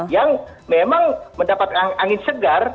yang memang mendapatkan angin segar